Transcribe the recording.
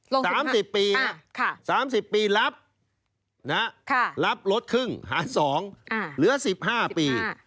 ๓๐ปี๓๐ปีรับรับลดครึ่งหา๒เหลือ๑๕ปี